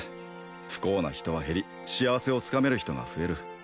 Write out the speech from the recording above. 不幸な人は減り幸せをつかめる人が増える